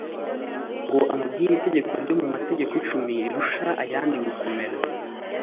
ngo amubwire itegeko ryo mu mategeko icumi rirusha ayandi gukomera.